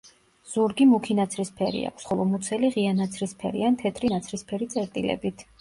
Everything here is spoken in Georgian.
ზურგი მუქი ნაცრისფერი აქვს, ხოლო მუცელი ღია ნაცრისფერი ან თეთრი ნაცრისფერი წერტილებით.